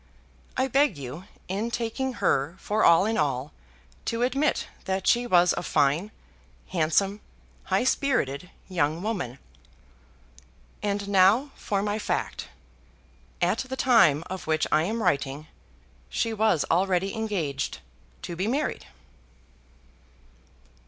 I beg you, in taking her for all in all, to admit that she was a fine, handsome, high spirited young woman. And now for my fact. At the time of which I am writing she was already engaged to be married.